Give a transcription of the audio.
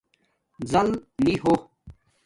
زَل نی ہو